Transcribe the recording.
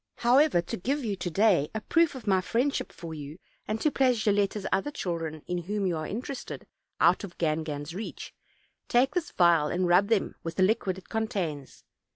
However, to give you to day a proof of my friendship for you, and to place Gilletta's other chil dren, in whom you are interested, out of Gangan's reach, take this vial, and rub them with the liquid it contains.